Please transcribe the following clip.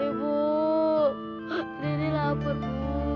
ibu dede lapar bu